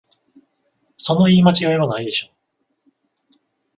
その言い間違いはないでしょ